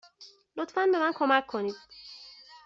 لطفا به من کمک کنید.